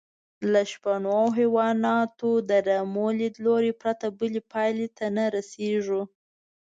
له شپنو او حیواناتو د رمې لیدلوري پرته بلې پایلې ته نه رسېږو.